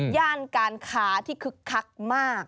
ย่านการค้าที่คึกคักมาก